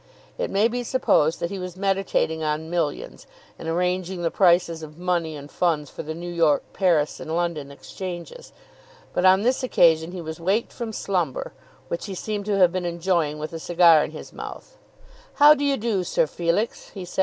It may be supposed that he was meditating on millions, and arranging the prices of money and funds for the New York, Paris, and London Exchanges. But on this occasion he was waked from slumber, which he seemed to have been enjoying with a cigar in his mouth. "How do you do, Sir Felix?" he said.